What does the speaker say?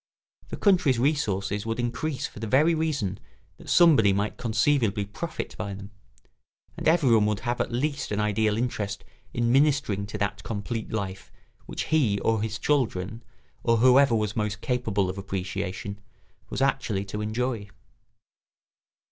The country's resources would increase for the very reason that somebody might conceivably profit by them; and everyone would have at least an ideal interest in ministering to that complete life which he or his children, or whoever was most capable of appreciation, was actually to enjoy.